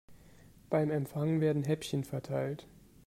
Beim Empfang werden Häppchen verteilt.